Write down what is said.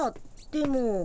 でも。